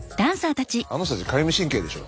あの人たちかゆみ神経でしょ？